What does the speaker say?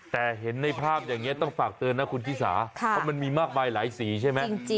แต่เห็นในภาพอย่างนี้ต้องฝากเตือนนะคุณชิสาเพราะมันมีมากมายหลายสีใช่ไหม